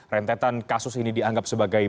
rentetan kasus ini dianggap sebagai